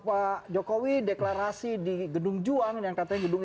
pak jokowi deklarasi di gedung juang yang katanya gedung